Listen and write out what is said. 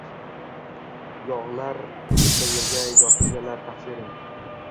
Yog’lar to’kilsa yerga, yotib yalar taqsirim